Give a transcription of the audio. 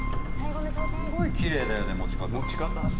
すごいきれいだよね、持ち方。